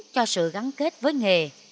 cho sự gắn kết với nghề